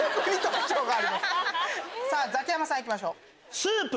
ザキヤマさん行きましょう。